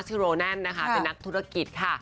ชื่อโรแนนด์เป็นนักธุรกิจค่ะ